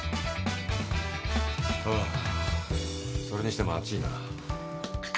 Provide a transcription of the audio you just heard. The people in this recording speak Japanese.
それにしてもあちいな。